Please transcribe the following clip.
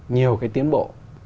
nhiều cái tiến bộ